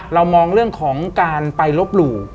เรามองเรื่องของการไปลบหลู่